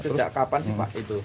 sejak kapan sih pak itu